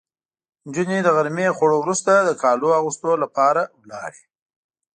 نجونې د غرمې خوړو وروسته د کالو اغوستو لپاره ولاړې.